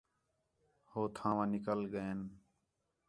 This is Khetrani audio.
ہو تھاواں نِکل ڳئین